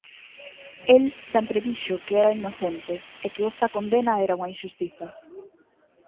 El sempre dixo que era inocente e que esta condena era unha inxustiza.